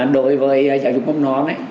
đối với giáo dục mầm non